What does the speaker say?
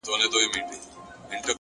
څوك مي دي په زړه باندي لاس نه وهي ـ